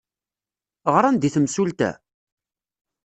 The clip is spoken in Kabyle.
Ɣran-d i temsulta?